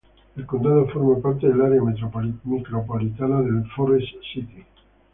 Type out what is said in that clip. El condado forma parte del área micropolitana de Forrest City.